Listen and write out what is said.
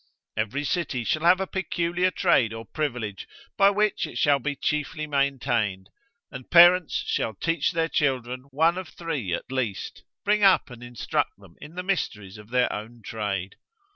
Every city shall have a peculiar trade or privilege, by which it shall be chiefly maintained: and parents shall teach their children one of three at least, bring up and instruct them in the mysteries of their own trade.